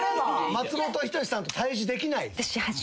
松本人志さんと対峙できない。